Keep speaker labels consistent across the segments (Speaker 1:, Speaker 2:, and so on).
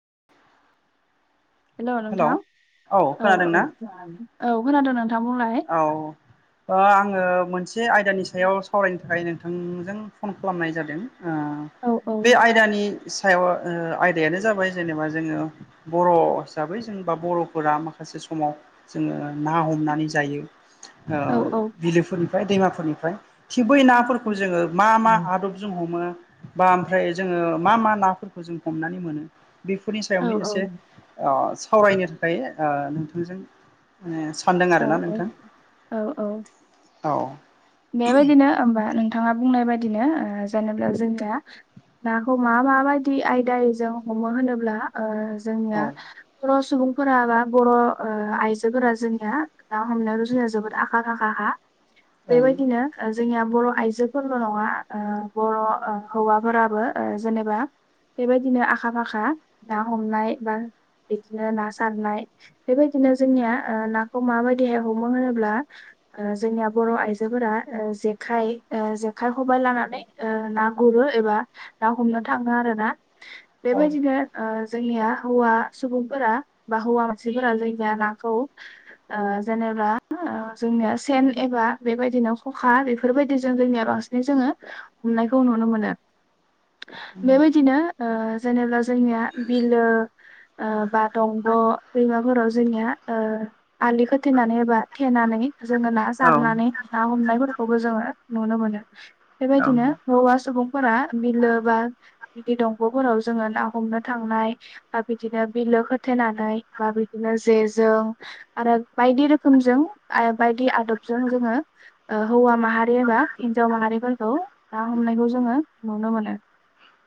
Speaker 1: [unintelligible]
Speaker 2: हेल'
Speaker 1: hello
Speaker 2: नोंथां
Speaker 1: औ
Speaker 2: औ
Speaker 1: खोनादोंना
Speaker 2: यै औ खोनादों नों
Speaker 1: औ ओ आङो मोनसे आयदानि सायाव सावरायनो थाखाय नों बिथांजों फन खालामनाय जादों ओ
Speaker 2: औ
Speaker 1: बे आयदानि सायाव आयदायानो जाबाय जेनेबा जोङो बर' हिसाबै जों बा बर'फोरा माखा माखासे समाव जोङो ना हमनानै जायो ओ
Speaker 2: औ औ
Speaker 1: बिलोफोरनिफ्राय दैमाफोरनिफ्राय बै नाफोरखौ जोङो मा मा आदबजों हमो बा ओमफ्राय जोङो मा मा नाफोरखौ जों हमनानै मोनो बेफोरनि
Speaker 2: औ
Speaker 1: सायावनो एसे ओ सावरायनो थाखाय ओ नोंथांजों माने सानदों
Speaker 2: औ
Speaker 1: आरो ना।
Speaker 2: औ औ।
Speaker 1: औ।
Speaker 2: बेबायदिनो होमबा नोंथाङा बुंनाय बायदिनो ओजेनब्ला जों दा नाखौ मा माबायदि आयद जों हमो होनोब्ला
Speaker 1: औ
Speaker 2: जोंनिया खरस सुबुंफोरा बा बर' आइजोफोरा जोंनिया ना हमनायावथ' जोंनिया जोबोद आखा फाखा खा।
Speaker 1: थारैनो
Speaker 2: बेबायदिनो जोंनिया बर' आइजोफोरल' नङा ओ बर' हौवाफोराबो जेनेबा [unintelligible] बेबायदिनो आखा फाखा ना हमनाय बा बिदिनो ना सारनाय बेबायदिनो जोंनिया नाखौ माबायदिहाय हमो होनोब्ला ओ जोंनिया बर' आइजो फोरा जेखाय जेखाइ खबाय लानानै ओ ना गुरो एबा ना हम थाङो आरोना
Speaker 1: औ
Speaker 2: बेबायदिनो ओ जोंनिया हौवा सुबुंफोरा बा हौवा मानसिफोरा जोंनिया नाखौ ओ जेने जोंनिया सेन एबा बेबायदिनो खखा बेफोरबायदिजों जोंनियाव बांसिनै जोङो हमनायखौ नुनो मोनो बेबायदिनो ओ जेनेबा जोंनिया बिलो ओ बा दं अ दैमाफोराव जोंनिया ओ आलि खोथेनानै एबा थेनानै जोङो ना जारनानै ना हमनायफोरखौबो जोङो नुनो मोनो।
Speaker 1: औ
Speaker 2: बेबायदिनो हौवा सुबुं फोरा बिलो बा बिदि दंगफोराव जोङं ना हमनो थांनाय बा बिदिनो बि होथेनानै बा बिदिनो जे जों आरो बायदि रोखोमजों बायदि आदबजों जोङो ओ हौवा माहारि एबा हिन्जाव माहारिफोरखौ ना हमनायखौ जोङो नुनो मोनो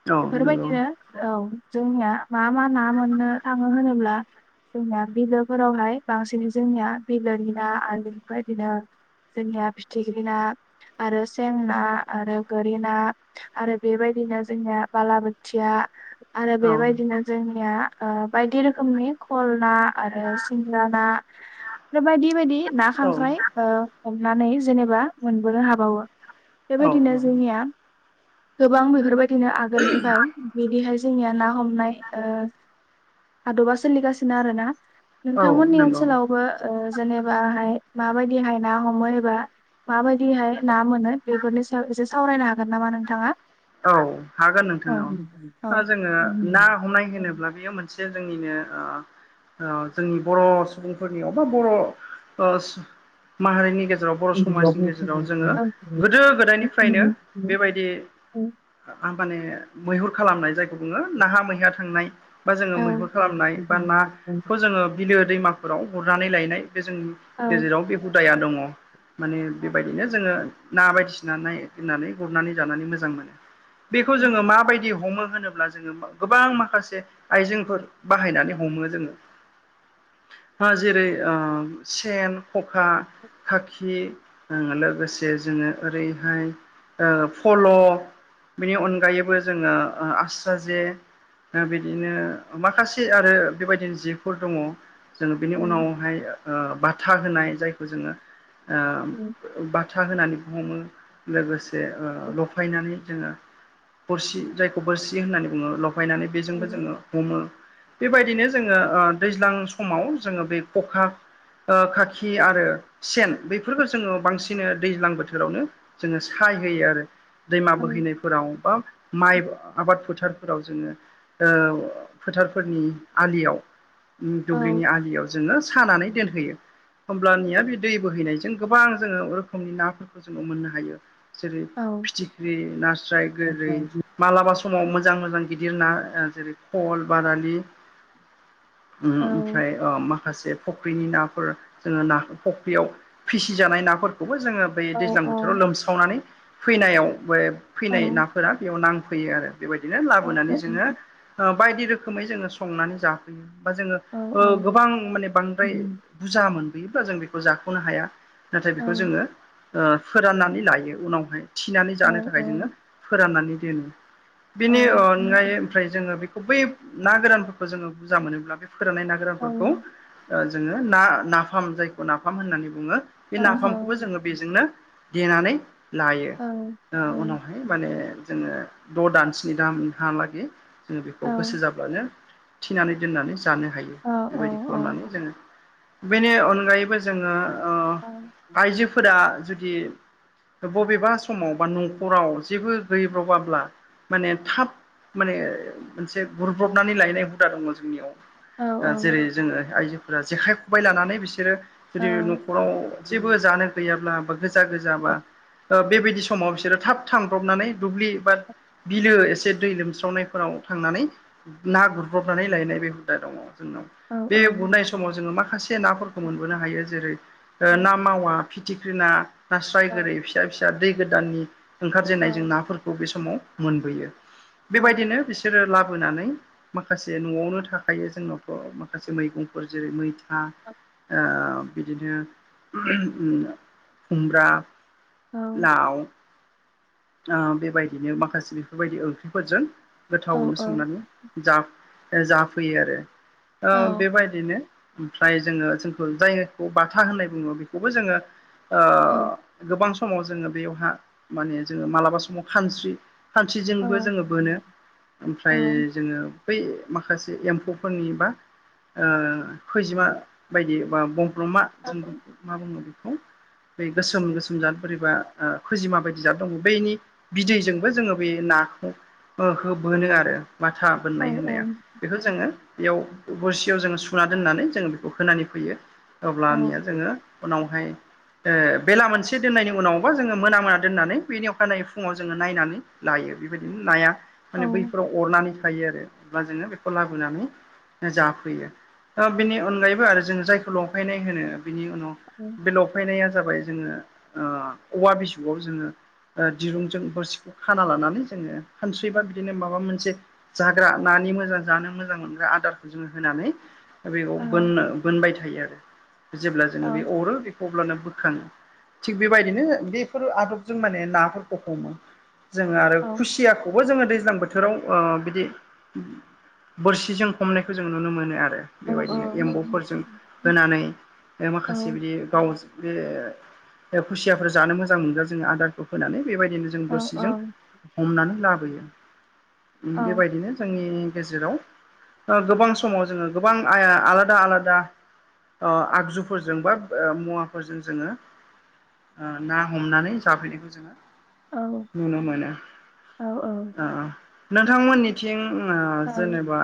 Speaker 1: औ नंगौ
Speaker 2: बेफोरबायदिनो औ जोंनिया मा मा ना मोननो थाङो होनोब्ला जोंनिया बिलोफोरावहाय बांसिन जोंनिया बिलोनि ना आरोफोर बिदिनो जोंनिया फिथिख्रि ना आरो सें ना आरो गोरि ना आरो बेबायदि बिदिनो जोंनिया बालाबोथिया आरो
Speaker 1: औ
Speaker 2: बेबायदिनो जोंनिया ओ बायदि रोखोमनि खल ना आरो सिंग्रा ना आरो बायदि बायदि ना
Speaker 1: औ
Speaker 2: खांख्राइ ओ हमनानै जेनेबा मोनबोनो हाबावो
Speaker 1: औ
Speaker 2: बेबायदिनो जोंनिया गोबां बेफोरबायदिनो आगोलनिफ्राय बिदिहाय जोंनिया ना हमनाय ओ हादबा सोलिगासिनो आरो ना
Speaker 1: औ
Speaker 2: नोंथांमोननि
Speaker 1: नंगौ
Speaker 2: ओनसोलावबो ओ जेनेबाहाय माबायदिहाय ना हमो एबा माबायदिहाय ना मोनो बेफोरनि सायाव एसे सावरायनो हागोन नामा नोंथाङा
Speaker 1: औ हागोन
Speaker 2: औ औ
Speaker 1: नोंथाङाव जोङो ना हमनाय होनोब्ला बेयो मोनसे जोंनिनो ओ ओ जोंनि बर' सुबुंफोरनि अबा बर' माहारिनि गेजेराव गेजेराव बर' समाजनि गेजेराव जोङो गोदो गोदायनिफ्रायनो बेबायदि माने मैहुर खालामनाय जायखौ बुङो नाहा मैया थांनाय बा जोङो
Speaker 2: औ
Speaker 1: मैहुर खालामनाय बा नाखौ जोङो बिलो दैमाफोराव हरनानै लायनाय बे जोंनि
Speaker 2: औ
Speaker 1: गेजेराव बे हुदाया दङ। माने बेबायदिनो जोङो ना बायदिसिना नाय दोननानै गुरनानै जानानै मोजां मोनो। बेखौ जोङो माबायदि हमो होनोब्ला जोङो गोबां माखासे आइजेंफोर बाहायनानै हमो जोङो जेरै ओ सेन खखा खाखि लोगोसे जोङो ओरैहाय ओ फल' बिनि अनगायैबो जोङो आस्रा जे बिदिनो माखासे आरो बेबायदिनो जेफोर दङ जोङो बिनि
Speaker 2: औ
Speaker 1: उनावहाय बाथा ओ होनाय जायखौ जोङो
Speaker 2: औ
Speaker 1: ओ बाथा होनानै हमो लोगोसे ओ लफायनानै जोङो बोरसि जायखौ बोरसि होननानै बुङो लफायनानै
Speaker 2: औ
Speaker 1: बेजोंबो जोङो हमो बेबायदिनो जोङो ओ दैज्लां समाव जोङो बे खखा ओ खाखि आरो सेन बेफोरखौ जोङो बांसिनै दैज्लां बोथोरावनो जोङो सा यहोयो आरो दैमा बोहैनायफोराव बा माइ आबाद फो थारफोराव जोङो ओ फोथारफोरनि आलियाव उम दुब्लिनि आलियाव जोङो सानानै दोनहोयो होमब्लानिया बे दै बोहैनायजों गोबां जोङो रोखोमनि नाफोरखौ जोङो मोननो हायो जेरै
Speaker 2: औ
Speaker 1: फिथिख्रि नास्राय गोरै मालाबा समाव मोजां मोजां गिदिर ना ओ जेरै खल बारालि उम ओमफ्राय ओ माखासे फख्रिनि नाफोर जोङो नाखो फख्रियाव फिसिजानाय नाफोरखौबो जोङो बै दैज्लां बोथोराव
Speaker 2: औ
Speaker 1: लोमस्रावनानै फैनायाव बे फैनाय नाफोरा बेयाव नांफैयो आरो बेबायदिनो लाबोनानै जोङो ओ बायदि रोखोमै जोङो संनानै जाफैयो बा जोङो ओ गोबां माने बांद्राय बुरजा मोनबोयोब्ला जों बेखौ जाख'नो हाया नाथाय बेखौ जोङो ओ फोराननानै लायो उनावहाय थिना जानो थाखाय जोङो फोराननानै दोनो
Speaker 2: औ
Speaker 1: बेनि अनगायै ओमफ्राय जोङो बेखौ बै ना गोरानफोरखौ जोङो बुजा मोनोब्ला बे फोराननाय ना
Speaker 2: औ
Speaker 1: गोरानफोरखौ ओ जोङो ना नाफाम जायखौ नाफाम होननानै बुङो बे
Speaker 2: औ
Speaker 1: नाफामखौबो जोङो बेजोंनो देनानै लायो
Speaker 2: औ
Speaker 1: ओ
Speaker 2: औ
Speaker 1: उनावहाय माने एब जोङो द' दान स्नि दामहालागै जोङो बेखौ गोसो जाब्लानो थिनानै दोननानै जानो हायो
Speaker 2: औ
Speaker 1: बेबायदि खालामनानै जोङो बेनि अनगायैबो जोङो
Speaker 2: औ
Speaker 1: ओह आइजोफोरा जुदि बबेबा समाव न'खराव जेबो गैब्रबाब्ला माने थाब माने मोनसे गुरब्रबनानै लायनाय हुदा दङ जोंनियाव
Speaker 2: औ
Speaker 1: ओ जेरै जोङो आइजोफोरा जेखाइ खबाय लानानै बिसोरो
Speaker 2: औ
Speaker 1: जुदिव न'खराव जेबो जानो गैयाब्ला बा गोजा गोजा बा
Speaker 2: औ
Speaker 1: ओ बेबायदि समाव बिसोरो थाब थांब्रबनानै दुब्लि बाद बिलो एसे दै लोमस्रावनायफोराव थांनानै ना गुरब्रबनानै लायनाय बे हुदा दङ। जोंनाव
Speaker 2: औ
Speaker 1: बे
Speaker 2: औ औ
Speaker 1: गुरनाय समाव जोङो माखासे नाफोरखौ मोनबोनो हायो जेरै ओ ना
Speaker 2: औ
Speaker 1: मावा थिख्रि ना नास्राय
Speaker 2: औ
Speaker 1: गोरै फिसा फिसा दै गोदाननि ओंखारजेननाय जों नाफोरखौ बे समाव मोनबोयो बेबायदिनो बिसोरो लाबोनानै माखासे न'आवनो थाखायो जोंनावथ' माखासे मैगंफोर जेरै मैथा ओह बिदिनो उम खुमब्रा लाउ ओ बेबायदिनो माखासे बेफोरबायदि ओंख्रिफोरजों गोथावनो संनानै जाब जाफैयो आरो ओ बेबायदिनो ओमफ्राय जोङो जोंखौ जायखौ बाथा होननाय बुङो बेखौबो जोङो ओह गोबां समाव जोङो बेयावहा माने जोङो मालाबा समाव खानस्रि
Speaker 2: औ
Speaker 1: खानसिजोंबो जोङो बोनो ओमफ्राय जोङो फै माखासे एम्फौफोरनि बा ओह खैजिमा बायदि बा बंफ ब्रमा जों मा बुङो बे खौ ओइ गोसोम गोसोम जाद बोरैबा ओ खुजिमा बायदि जाद दं। बेनि बिदैजोंबो जोङो बे नाखौ ओ होबोनो आरो माथा बोननाय होननाया बेखो जोङो बेयाव बोरसियाव जोङो सुना दोननानै जोंङो बेखौ होनानै फैयो अब्लानिया जोङो उनावहाय ओ बेला मोनसे दोननायनि उनावबा जोङो मोना मोना दोननानै बेनि अखायै फुङाव जोङो नायनानै लायो बेबायदिनो नाया माने बैफोराव अरनानै थायो आरो अब्ला जोङो बेखौ लाबोनानै जाफैयो बेनि अनगायैबो आरो जों जायखौ लंफायनाय होनो बिनि उनाव बे लफायनाया जाबाय जोङो औवा बिसुवाव जोङो दिरुंजों बोरसिखौ खाना लानानै जोङो खानसैबा बिदिनो माबा मोनसे जाग्रा नानि मोजां जानो मोजां मोनग्रा आदारखौ जोङो होनानै बेखौ बोननो बोनबाय थायो आरो। जेब्ला जोङो बेखौ अरो अब्लानो बोखाङो थिग बेबायदिनो बेफोर आदबजों माने नाफोरखौ हमो। जोङो आरो खुसियाखौ बो जोङो दैज्लां बोथोराव बिदि बोरसिजों हमनायखौ जों नुनो मोनो आरो। आरो बेबायदिनो एम्बौफोरजों होनानै माखासे बिदि गाव बे खुसियाफोर जानो मोजां मोनग्रा जोङो आदारखौ फोनानै बेबायदिनो जों बोरसिजों हमनानै लाबोयो। बेबायदिनो जोंनि गेजेराव गोबां समाव जोङो गोबांइ आलादा आलादा आगजुफोरजों बा मुवाफोरजों जोङो ना हमनानै जाफैनायखौ नुनो मोनो। ओ नोंथांमोननिथिं जेनेबा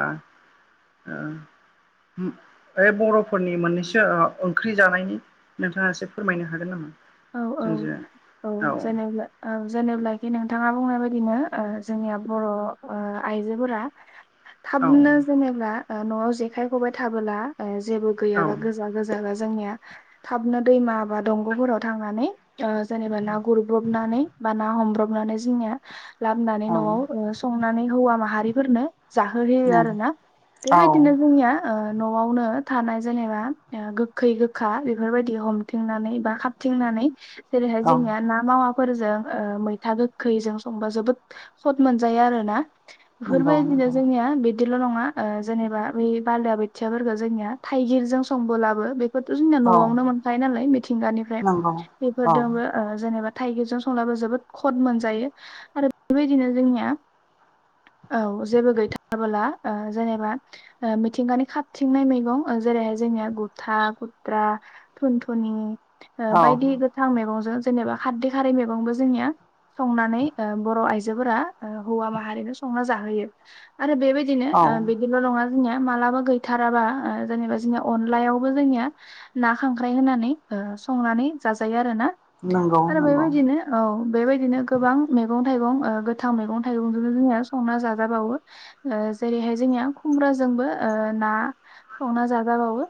Speaker 1: ओ बर'फोरनि मोननैसो ओंख्रि जानायनि नोंथाङा एसे फोरमायनो हागोन नामा?
Speaker 2: औ औ
Speaker 1: जोंजों
Speaker 2: औ जेनोब्ला औ जेब्लाखि नोंथाङा बुंनाय बायदिनो जोंनिया बर' आइजोफोरा
Speaker 1: औ
Speaker 2: थाबनो जेनेबा न'आव जेखाइ खबाय थाबोला जेबो
Speaker 1: औ
Speaker 2: गैयाबा गोजा गोजा जोंनिया थाबनो दैमा बा दंग'फोराव थांनानै जेनेबा ना गुरब्रबनानै बा ना हमब्रबनानै जोंनिया लाबोनानै न'आव संनानै हौवा माहारिफोरनो जाहोहोयो
Speaker 1: नंगौ
Speaker 2: आरो
Speaker 1: औ
Speaker 2: ना बेबायदिनो जोंनिया ओ न'आवनो थानाय जेनेबा गोखै गोखा बेफोरबायदि हमथंनानै बा थिंनानै जेरैहाय
Speaker 1: औ
Speaker 2: जोंनिया ना मावा फोरजों ओ मैथा गोखैजों संबा जोबोद सथ मोनजायो आरो ना।
Speaker 1: नंगौ
Speaker 2: बेफोरबायदिनो
Speaker 1: नंगौ
Speaker 2: जोंनिया बिदिल' नङा ओ जेनबा बै बालिया बोथियाफोरखौ जोंनिया थाइगिरजों संबोलाबो बे बेथ' जोंनिया
Speaker 1: औ
Speaker 2: न'आवनो मोनखायो नालाय मिथिंगानिफ्राय
Speaker 1: नंगौ औ
Speaker 2: बेफोरजोंबो ओ जेनेबा थाइगिरजों संब्लाबो जोबोद खद मोनजायो आरो बेबायदिनो जोंनिया औ जेबो गैथाराबोला ओ जेनेबा मिथिंगानि खाथिंनाय मैगं ओ जेरैहाय जोंनिया गुथा गुद्रा थुनथुनि
Speaker 1: औ
Speaker 2: बायदि गोथां मैगंजों जेनेबा खारदै खारै मैगंबो जोंनिया संनानै बर' आइ जोफोरा हौवा माहारि संना जाहोयो आरो बेबायदिनो
Speaker 1: औ
Speaker 2: बिदिल' नङा।। जोनिया मालाबा गैथाराबा ओ जेनेवा अनलायावबो ना खांख्राय होनानै ओ सं संनानै जाजायो आरोना
Speaker 1: नंगौ
Speaker 2: आरो
Speaker 1: नंगौ
Speaker 2: बेबायदिनो औ बेबायदिनो गोबां मैगं थाइगं ओ गोथां मैगं थाइगं जोंनो जोंनिया संना जाजाबावो ओ जेरैहाय जोंनिया खुम्ब्राजों जोंबो ओ ना संना जाजाबावो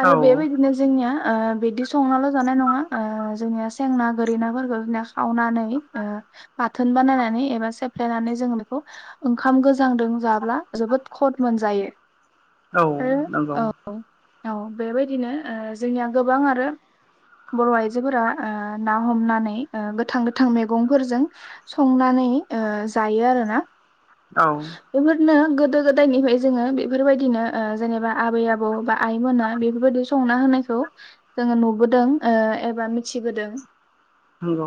Speaker 2: आरो
Speaker 1: औ
Speaker 2: बेबायदिनो जोंनिया ओ बिदि संनाल' जानाय नङा ओ जोंनि सेंना गोरिनाफोरखौ खावनानै बाथोन बानायनानै एबा सेफ्लेनानै जों बेखौ ओंखाम गोजांदों जाब्ला जोबोद खद मोनजायो।।
Speaker 1: औ
Speaker 2: आरो
Speaker 1: नंगौ।
Speaker 2: औ बेबायदिनो जोंनिया गोबां आरो
Speaker 1: [inaudible]
Speaker 2: बर' आइजोफोरा ओ ना हमनानै ओ गोथां गोथां मैगंफोरजों संनानै ओ जायो आरो ना।
Speaker 1: औ
Speaker 2: नो गोदो गोदायनिफ्राय जोङो बेफोरबायदिनो ओ जेनेबा आबै आबौ बा आइमोना बेफोरबायदि सम संना होनायखौ जोङो नुबो नुबोदों एबा ओ मिथिबोदों।
Speaker 1: औ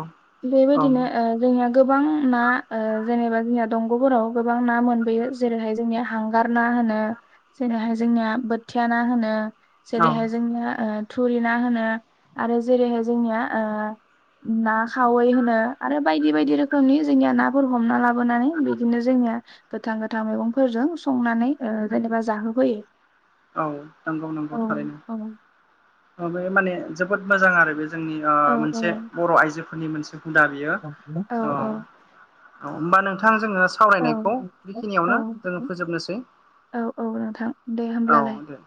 Speaker 2: बेबायदिनो
Speaker 1: औ
Speaker 2: ओ जोंनि गोबां ना जेनेबा जोंनिया दंग'फोराव गोबां ना मोनबोयो जेरैहाय जोंनिया हांगार ना मा होनो जेरैहाय जोंनिया बोथिया ना होनो। जेरैहाय जोंनिया ओ थुरि ना होनो आरो जेरैहाय जोंनिया ओ ना खावै होनो आरो बायदि बायदि रोखोमनि जोंनिया नाफोर हमना लाबोनानै बिदिनो जोंनि या गोथां गोथां मैगंफोरजों संनानै ओ जेनेबा जाहोफोयो।
Speaker 1: औ नंगौ नगौ थारैनो। बे माने जोबोद मोजां आरो बे जोंनि ओ
Speaker 2: औ
Speaker 1: मोनसे बर' आइजोफोरनि मोनसे हुदा बियो।
Speaker 2: औ
Speaker 1: अ औ होमबा नोंथां जोङो सावरायनायखौ
Speaker 2: औ
Speaker 1: बेखिनियावनो जोङो फोजोबनोसै।
Speaker 2: औ औ नोंथां दे
Speaker 1: औ
Speaker 2: होमब्लालाय
Speaker 1: दे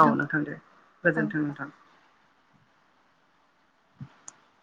Speaker 1: औ नोंथां दे
Speaker 2: औ।
Speaker 1: गोजोनथों नोंथां।